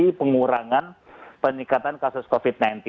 jadi itu pengurangan peningkatan kasus covid sembilan belas